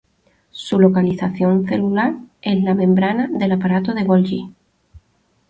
Su localización celular es la membrana del aparato de Golgi.